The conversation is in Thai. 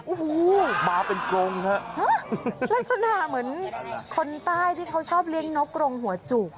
โอ้โหลักษณะเหมือนคนใต้ที่เขาชอบเลี้ยงน้องกรงหัวจุ